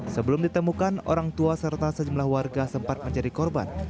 sebelum ditemukan orang tua serta sejumlah warga sempat menjadi korban